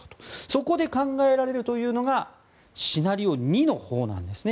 そこで考えられるというのがシナリオ２のほうなんです。